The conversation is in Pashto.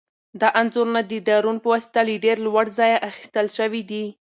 دا انځورونه د ډرون په واسطه له ډېر لوړ ځایه اخیستل شوي دي.